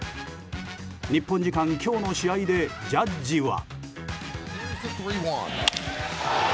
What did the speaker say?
日本時間今日の試合でジャッジは。